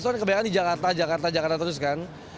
soalnya kebanyakan di jakarta jakarta jakarta terus kan